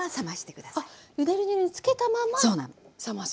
ゆで汁につけたまま冷ます？